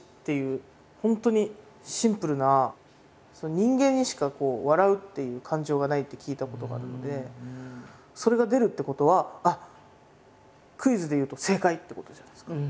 人間にしか「笑う」っていう感情がないって聞いたことがあるのでそれが出るってことはクイズで言うと正解ってことじゃないですか。